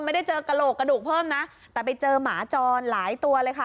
ไม่ได้เจอกระโหลกกระดูกเพิ่มนะแต่ไปเจอหมาจรหลายตัวเลยค่ะ